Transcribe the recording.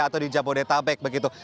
atau di jabodetabek begitu